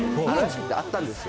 あったんですよ。